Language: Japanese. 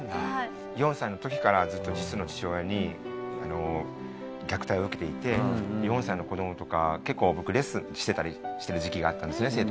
４歳の時からずっと実の父親に虐待を受けていて４歳の子供とか結構僕レッスンしてたりしてる時期があったんですね